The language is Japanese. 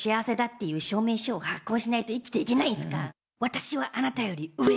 私はあなたより上！